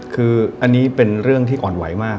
คืออันนี้เป็นเรื่องที่อ่อนไหวมาก